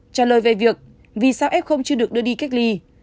trả lời về việc vì sao f chưa được đưa đi cách ly